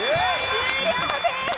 終了です！